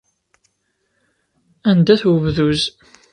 Anda-t webduz?